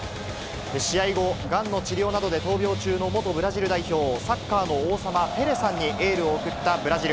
試合後、がんの治療などで闘病中の元ブラジル代表、サッカーの王様、ペレさんにエールを送ったブラジル。